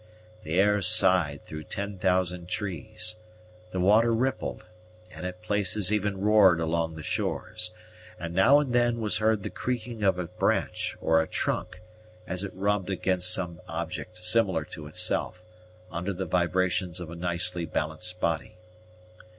The air sighed through ten thousand trees, the water rippled, and at places even roared along the shores; and now and then was heard the creaking of a branch or a trunk, as it rubbed against some object similar to itself, under the vibrations of a nicely balanced body.